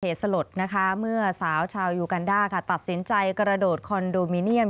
สลดนะคะเมื่อสาวชาวยูกันด้าค่ะตัดสินใจกระโดดคอนโดมิเนียม